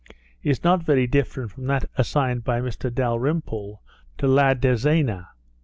is not very different from that assigned by Mr Dalrymple to La Dezena.